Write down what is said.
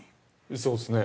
◆そうっすね。